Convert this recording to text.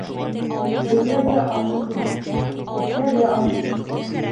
Һөйләргә ашыҡма, эшләргә ашыҡ.